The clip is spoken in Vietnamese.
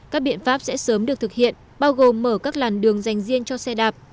các biện pháp sẽ sớm được thực hiện bao gồm mở các làn đường dành riêng cho xe đạp